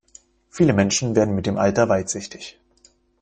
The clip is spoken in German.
Viele Menschen werden mit dem Alter weitsichtig.